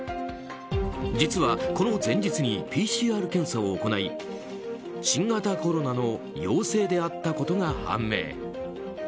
実はこの前日にＰＣＲ検査を行い新型コロナの陽性であったことが判明。